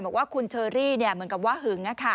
บอกว่าคุณเชอรี่เหมือนกับว่าหึง